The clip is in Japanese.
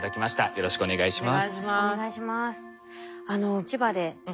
よろしくお願いします。